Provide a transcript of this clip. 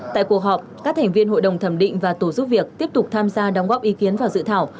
tại cuộc họp các thành viên hội đồng thẩm định và tổ giúp việc tiếp tục tham gia đóng góp ý kiến vào dự thảo